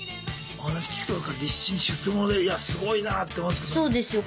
お話聞くと立身出世物でいやすごいなって思うんですけど。